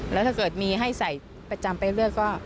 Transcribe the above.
แล้วถ้าเกิดมีให้ใส่ประจำไปเลือดก็